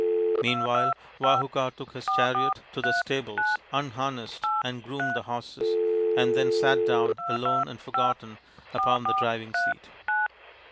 Meanwhile Vahuka took his chariot to the stables, unharnessed and groomed the horses, and then sat down, alone and forgotten, upon the driving seat.